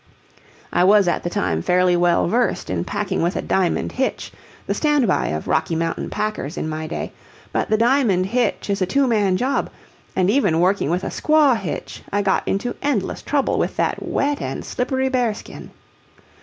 I was at the time fairly well versed in packing with a "diamond hitch," the standby of Rocky Mountain packers in my day; but the diamond hitch is a two man job; and even working with a "squaw hitch," I got into endless trouble with that wet and slippery bearskin.